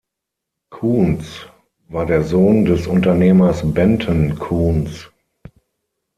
Coontz war der Sohn des Unternehmers Benton Coontz.